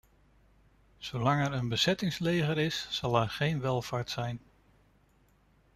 Zolang er een bezettingsleger is, zal er geen welvaart zijn.